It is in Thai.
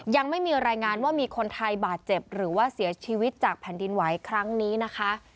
ยังไม่มีรายงานว่ามีคนไทยบาดเจ็บหรือว่าเสียชีวิตจากแผ่นดินไหวครั้งนี้นะคะ